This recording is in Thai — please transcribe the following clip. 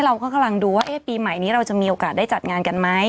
เราก็กำลังดูว่าปีใหม่นี้เราจะมีโอกาสได้จัดงานกันไหม